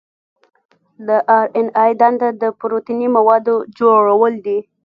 د آر این اې دنده د پروتیني موادو جوړول دي.